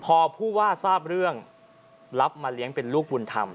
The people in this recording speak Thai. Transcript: พอผู้ว่าทราบเรื่องรับมาเลี้ยงเป็นลูกบุญธรรม